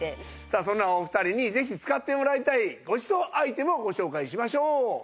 さあそんなお二人にぜひ使ってもらいたいごちそうアイテムをご紹介しましょう。